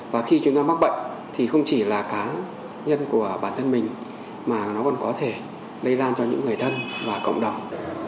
và khi chúng ta mắc bệnh thì không chỉ là cá nhân của bản thân mình mà nó còn có thể lây lan cho những người thân và cộng đồng